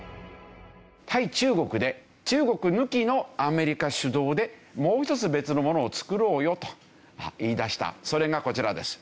対中国で中国抜きのアメリカ主導でもう一つ別のものを作ろうよと言い出したそれがこちらです。